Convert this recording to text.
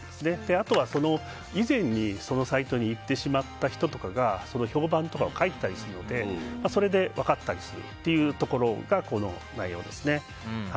あとは以前にそのサイトに行ってしまった人とかが評判とかを書いてたりするのでそれで分かったりするところがこの内容です。